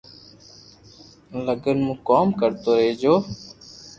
لگن مون ڪوم ڪرتو رھجو